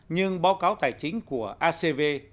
nhưng báo cáo tài chính của acv